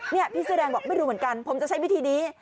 นี่พี่เสื้อแดงบอกไม่รู้เหมือนกันผมจะใช้วิธีนี้